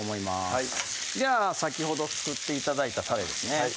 はいでは先ほど作って頂いたたれですね